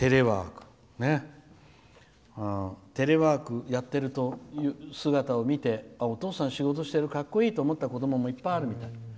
テレワークやってる姿を見て、お父さん仕事してる、かっこいいと思った子どももいっぱいあるみたい。